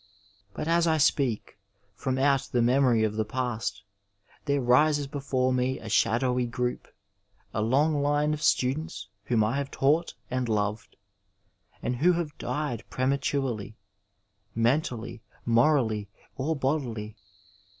But as I speak, from out the memory of the past there rises before me a shadowy group, a long line of students whom I have taught and loved, and who have died pre maturely — mentaliy, morally, or bodily.